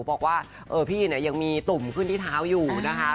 บอกว่าพี่เนี่ยยังมีตุ่มขึ้นที่เท้าอยู่นะคะ